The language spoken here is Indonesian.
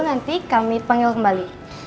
nanti kami panggil kembali